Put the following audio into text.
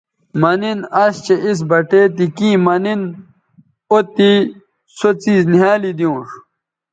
مہ نِن اش چہء اِس بٹے تی کیں مہ نِن او تے سو څیز نِھیالی دیونݜ